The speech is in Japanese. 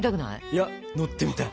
いや乗ってみたい！